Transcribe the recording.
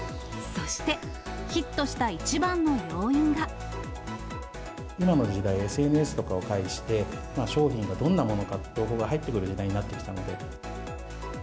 そして、今の時代、ＳＮＳとかを介して、商品がどんなものか、情報が入ってくる時代になってきたので。